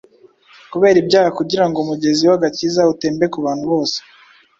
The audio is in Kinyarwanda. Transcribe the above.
kubera ibyaha kugira ngo umugezi w’agakiza utembe ku bantu bose.